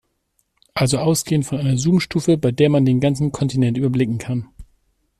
Also ausgehend von einer Zoomstufe, bei der man den ganzen Kontinent überblicken kann.